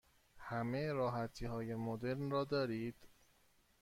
همه راحتی های مدرن را دارید؟